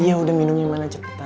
iya udah minumnya mana cepetan